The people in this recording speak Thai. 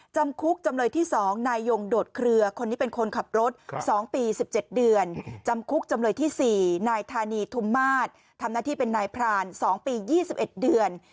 จำคุกจำเลยที่๒นายยงโดดเคลือคนนี้เป็นคนขับรถ๒ปี๑๗เดือนจำคุกจำเลยที่๔นายธานีทุมมาตรทำหน้าที่เป็นนายพราน๒ปี๒๑เดือน